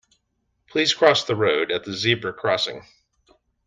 Please cross the road at the zebra crossing